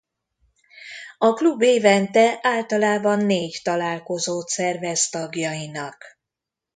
A klub évente általában négy találkozót szervez tagjainak.